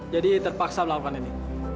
jadi terpaksa melakukan ini